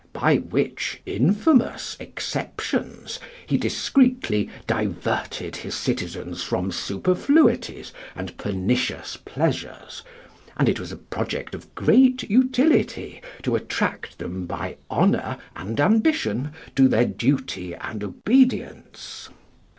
By which infamous exceptions he discreetly diverted his citizens from superfluities and pernicious pleasures, and it was a project of great utility to attract then by honour and ambition to their duty and obedience.